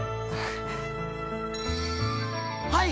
はい！